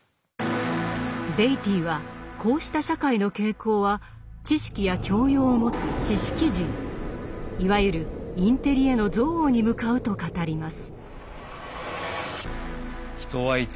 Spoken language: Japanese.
ベイティーはこうした社会の傾向は知識や教養を持つ「知識人」いわゆるインテリへの憎悪に向かうと語ります。